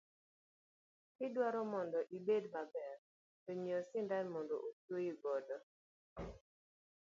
Kidwaro mondo ibed maber, to ngiiew sindan mondo ochuoyi godo.